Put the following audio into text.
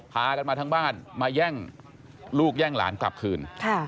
พากันมาทั้งบ้านมาแย่งลูกแย่งหลานกลับคืน